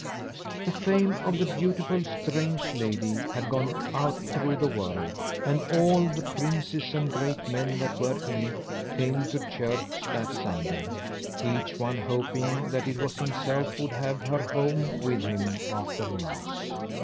The fame of the beautiful strange lady had gone out through the world, and all the princes and great men that were in it came to church that Sunday, each one hoping that it was himself would have her home with him after Mass.